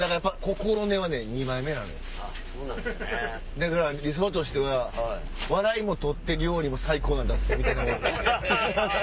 だから理想としては笑いも取って料理も最高なの出す！みたいな。